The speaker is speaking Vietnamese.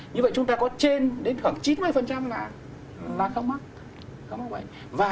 như vậy chúng ta có trên đến khoảng chín mươi là không á